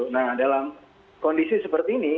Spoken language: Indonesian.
nah dalam kondisi seperti ini